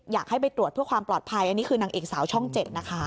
อยากให้ไปตรวจเพื่อความปลอดภัยอันนี้คือนางเอกสาวช่อง๗นะคะ